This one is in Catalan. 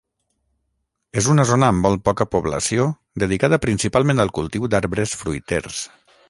És una zona amb molt poca població dedicada principalment al cultiu d'arbres fruiters.